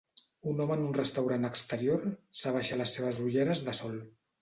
Un home en un restaurant exterior s"abaixa les seves ulleres de sol.